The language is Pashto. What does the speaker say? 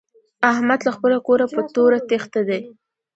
احمد له خپله کوره په توره تېښته دی.